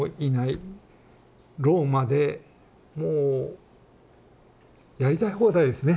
ローマでもうやりたい放題ですね